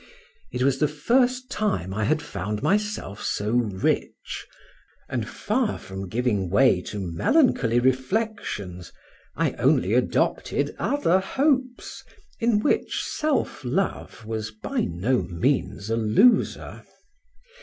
It was the first time I had found myself so rich, and far from giving way to melancholy reflections, I only adopted other hopes, in which self love was by no means a loser.